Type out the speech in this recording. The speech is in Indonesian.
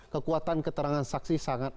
kekuatan keterangan saksi sangat